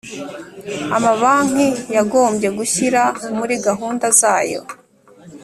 Amabanki yagombye gushyira muri gahunda zayo